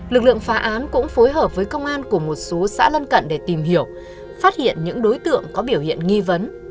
lực lượng phá án cũng phối hợp với công an của một số xã lân cận để tìm hiểu phát hiện những đối tượng có biểu hiện nghi vấn